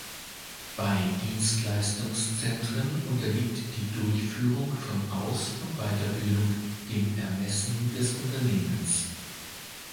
Bei Dienstleistungszentren unterliegt die Durchführung von Aus- und Weiterbildung dem Ermessen des Unternehmens.